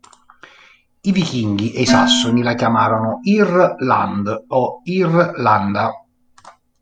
I vichinghi e i sassoni la chiamarono Ir-land o Ir-landa.